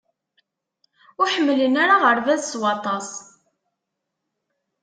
Ur ḥemmlen ara aɣerbaz s waṭas.